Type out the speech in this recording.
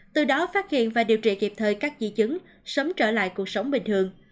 từ đó phát hiện và điều trị kịp thời các di chứng sớm trở lại cuộc sống bình thường